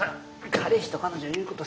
彼氏と彼女の言うこと